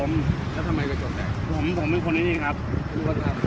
น่าจะเกิดสบาย